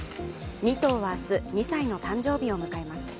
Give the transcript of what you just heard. ２頭は明日、２歳の誕生日を迎えます。